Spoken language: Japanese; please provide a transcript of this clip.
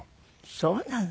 そうなの。